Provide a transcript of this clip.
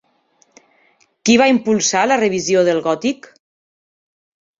Qui va impulsar la revisió del gòtic?